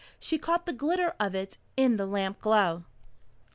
She caught the glitter of it in the lamp glow.